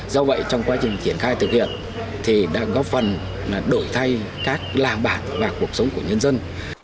do vậy trong quá trình triển khai thực hiện thì đã góp phần đổi thay các làng bản và cuộc sống của nhân dân